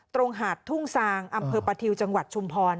หาดทุ่งซางอำเภอประทิวจังหวัดชุมพร